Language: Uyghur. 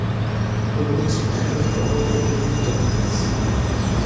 -ئۇ ناخشا ئەڭ يۇقىرى ئاۋازدا ئېيتىلىدۇ راست.